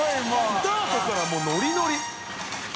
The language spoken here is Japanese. ）スタートからもうノリノリ！